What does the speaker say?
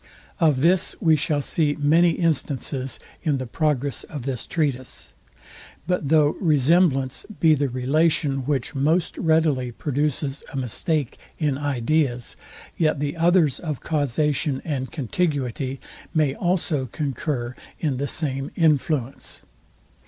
Of this we shall see many instances in the progress of this treatise. But though resemblance be the relation, which most readily produces a mistake in ideas, yet the others of causation and contiguity may also concur in the same influence.